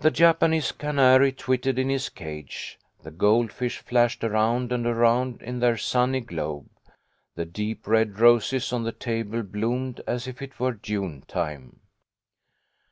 The Japanese canary twittered in his cage ; the goldfish flashed around and around in their sunny globe ; the deep red roses on the table bloomed as if it were June time.